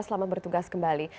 selamat bertugas kembali